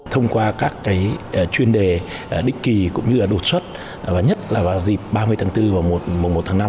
thông qua các chuyên đề đích kỳ cũng như đột xuất nhất là vào dịp ba mươi tháng bốn và một tháng năm